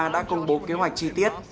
đã công bố kế hoạch chi tiết